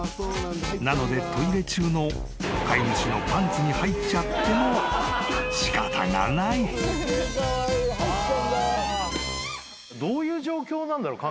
なのでトイレ中の飼い主のパンツに入っちゃってもしかたがない］どういう状況なんだろう？